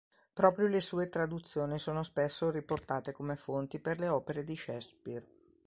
Proprio le sue traduzioni sono spesso riportate come fonti per le opere di Shakespeare.